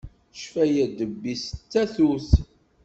Ccfaya ddebb-is d tatut.